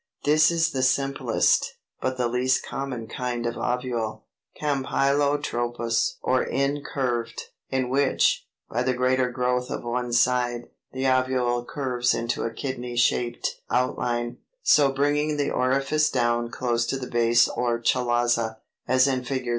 This is the simplest, but the least common kind of ovule. Campylotropous or Incurved, in which, by the greater growth of one side, the ovule curves into a kidney shaped outline, so bringing the orifice down close to the base or chalaza; as in Fig.